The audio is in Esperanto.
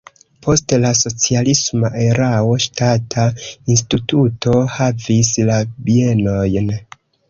Post la socialisma erao ŝtata instituto havis la bienojn.